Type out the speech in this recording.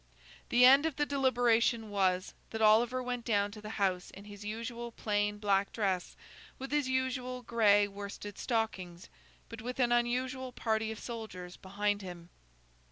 The end of the deliberation was, that Oliver went down to the House in his usual plain black dress, with his usual grey worsted stockings, but with an unusual party of soldiers behind him.